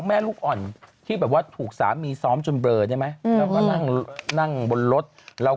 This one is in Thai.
แม่ลูกอ่อนที่แบบว่าถูกสามีซ้อมจนเบลอได้ไหมเราก็นั่งบนรถเรา